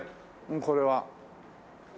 これは。